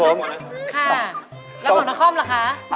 แล้วของหน้าข้อมราคา